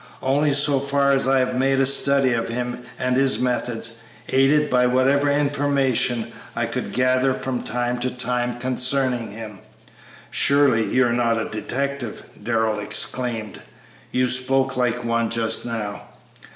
"Only so far as I have made a study of him and his methods, aided by whatever information I could gather from time to time concerning him." "Surely, you are not a detective!" Darrell exclaimed; "you spoke like one just now."